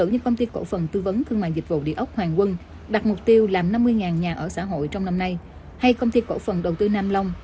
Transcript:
nhà ở xã hội trong năm nay hay công ty cổ phần đầu tư nam long